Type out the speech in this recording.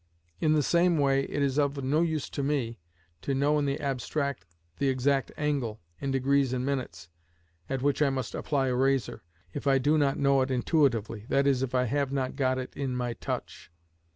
In the same way it is of no use to me to know in the abstract the exact angle, in degrees and minutes, at which I must apply a razor, if I do not know it intuitively, that is, if I have not got it in my touch.